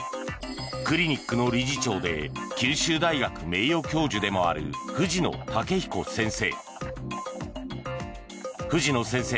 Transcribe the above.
クリニックの理事長で九州大学名誉教授でもある藤野武彦先生。